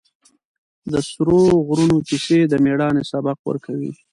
د سرو غرونو کیسې د مېړانې سبق ورکوي.